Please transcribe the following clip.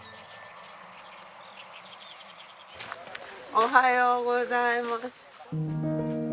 おはようございます。